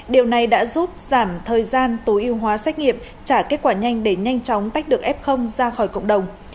điều này đã giúp giảm thời gian tối ưu hóa xét nghiệm trả kết quả nhanh để nhanh chóng tách được f ra khỏi cộng đồng